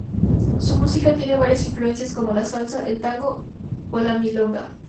Su música tiene varias influencias, como la salsa, el tango o la milonga.